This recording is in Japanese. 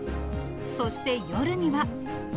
そして夜には。